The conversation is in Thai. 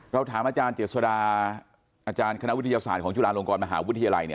ถามอาจารย์เจษดาอาจารย์คณะวิทยาศาสตร์ของจุฬาลงกรมหาวิทยาลัย